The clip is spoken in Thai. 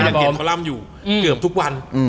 ยังเกิดข้อลัมต์อยู่เกือบทุกวัน